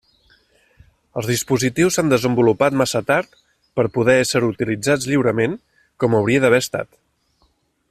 Els dispositius s'han desenvolupat massa tard per poder ésser utilitzats lliurement, com hauria d'haver estat.